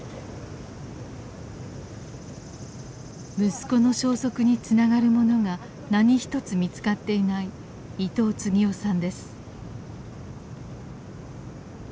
息子の消息につながるものが何一つ見つかっていない伊東次男さんです。